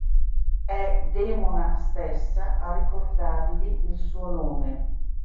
È Dèmona stessa a ricordargli il suo nome.